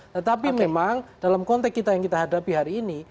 tetapi memang dalam konteks kita yang kita hadapi hari ini